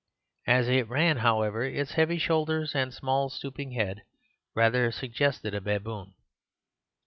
As it ran, however, its heavy shoulders and small stooping head rather suggested a baboon.